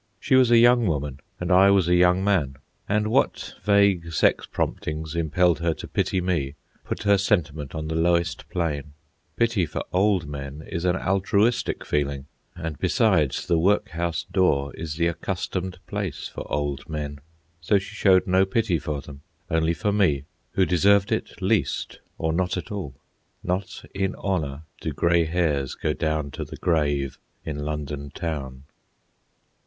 She was a young woman, and I was a young man, and what vague sex promptings impelled her to pity me put her sentiment on the lowest plane. Pity for old men is an altruistic feeling, and besides, the workhouse door is the accustomed place for old men. So she showed no pity for them, only for me, who deserved it least or not at all. Not in honour do grey hairs go down to the grave in London Town.